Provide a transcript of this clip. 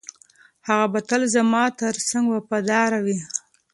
هغه به تل زما تر څنګ وفاداره وي.